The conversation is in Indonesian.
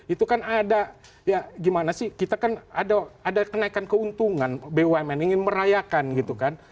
itu kan ada ya gimana sih kita kan ada kenaikan keuntungan bumn ingin merayakan gitu kan